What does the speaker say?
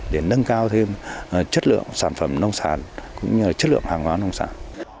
để nâng cao thêm chất lượng sản phẩm nông sản cũng như chất lượng hàng hóa nông sản